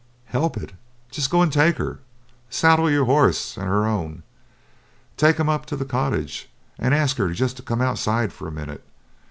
"Help it? Just go and take her. Saddle your horse and her own, take 'em up to the cottage, and ask her just to come outside for a minute.